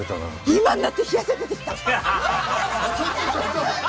今になって冷や汗出てきた。